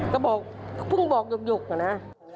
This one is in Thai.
ก็บอกเพิ่งบอกหยกอะนะ